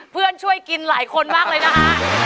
เพื่อนช่วยกินหลายคนมากเลยนะคะ